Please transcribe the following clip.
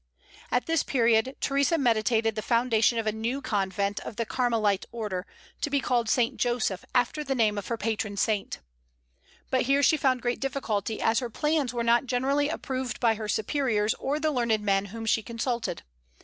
At this period Theresa meditated the foundation of a new convent of the Carmelite order, to be called St. Joseph, after the name of her patron saint. But here she found great difficulty, as her plans were not generally approved by her superiors or the learned men whom she consulted.